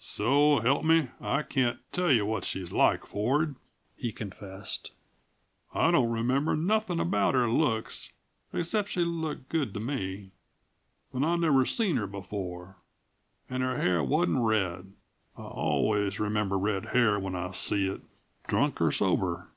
"So help me, I can't tell you what she's like, Ford," he confessed. "I don't remember nothing about her looks, except she looked good to me, and I never seen her before, and her hair wasn't red I always remember red hair when I see it, drunk or sober.